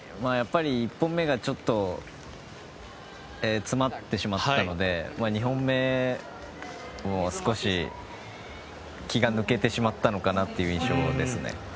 １本目がちょっと詰まってしまったので２本目も少し気が抜けてしまったのかなという印象ですね。